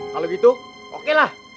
kalo gitu okelah